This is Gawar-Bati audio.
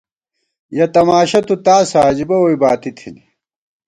یَہ تماشہ تُو تاسہ عجیبہ ووئی باتی تھنی